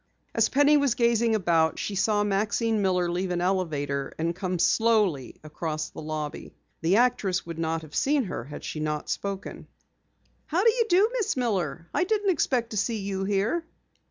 As Penny was gazing about, she saw Maxine Miller leave an elevator and come slowly across the lobby. The actress would not have seen her had she not spoken. "How do you do, Miss Miller. I didn't expect to see you here."